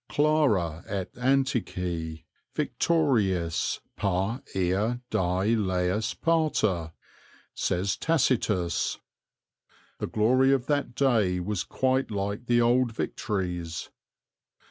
Clara et antiquis victoriis par eâ die laus parta, says Tacitus. "The glory of that day was quite like the old victories.